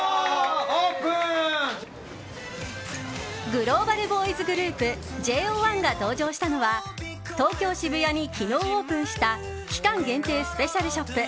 グローバルボーイズグループＪＯ１が登場したのは東京・渋谷に昨日オープンした期間限定スペシャルショップ